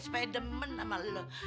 supaya demen sama lu